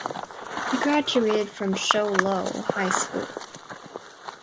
He graduated from Show Low High School.